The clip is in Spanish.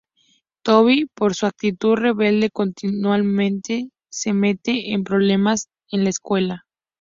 Toby, por su actitud rebelde, continuamente se mete en problemas en la escuela.